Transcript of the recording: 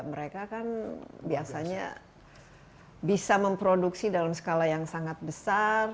mereka kan biasanya bisa memproduksi dalam skala yang sangat besar